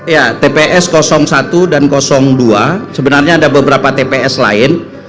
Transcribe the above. ya tps satu dan dua sebenarnya ada beberapa tps lain